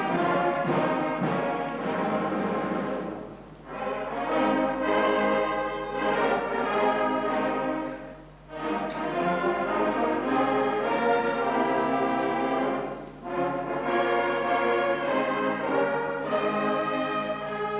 lagu kebangsaan indonesia raya